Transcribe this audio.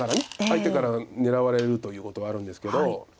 相手から狙われるということはあるんですけど。